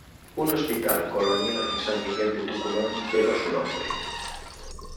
Un hospital colonia en San Miguel de Tucumán lleva su nombre.